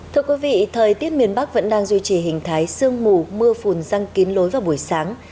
thưa quý vị thời tiết miền bắc vẫn đang duy trì hình thái sương mù mưa phùn răng kín lối vào buổi sáng